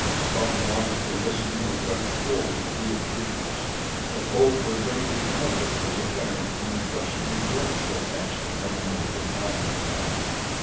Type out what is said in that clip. Stopping often to listen they crept forward through the trees. That both were greatly puzzled was apparent from the questioning looks they cast at one another from time to time.